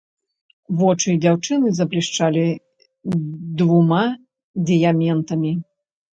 Вочы дзяўчыны заблішчалі двума дыяментамі.